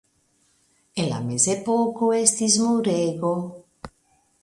En la Mezepoko estis murego.